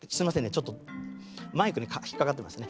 ちょっとマイクに引っ掛かってましたね。